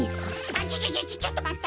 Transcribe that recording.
あっちょちょちょちょっとまった！